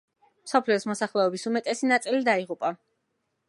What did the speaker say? მსოფლიოს მოსახლეობის უმეტესი ნაწილი დაიღუპა.